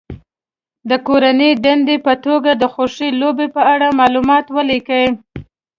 د کورنۍ دندې په توګه د خوښې لوبې په اړه معلومات ولیکي.